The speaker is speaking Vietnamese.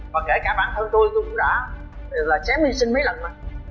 và kể cả bản thân tôi tôi cũng đã là xém hy sinh mấy lần mà